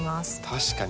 確かに。